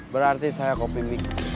berarti saya kopi mik